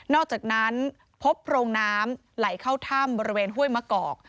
อกจากนั้นพบโพรงน้ำไหลเข้าถ้ำบริเวณห้วยมะกอก